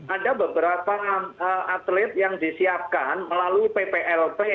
ada beberapa atlet yang disiapkan melalui pplp